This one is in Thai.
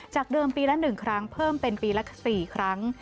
เดิมปีละ๑ครั้งเพิ่มเป็นปีละ๔ครั้ง